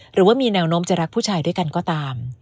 หรือว่ามีแนวโน้มจะรักผู้ชายด้วยกันก็ตาม